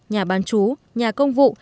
nhà bán chú nhà công vụ